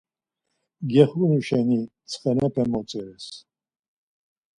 Gexunu şeni ntsxenepe motzires.